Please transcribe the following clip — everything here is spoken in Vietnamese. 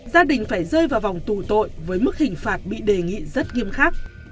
gia đình phải rơi vào vòng tù tội với mức hình phạt bị đề nghị rất nghiêm khắc